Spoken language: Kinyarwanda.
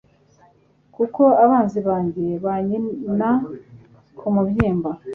kuko abanzi banjye banyina k umubyimba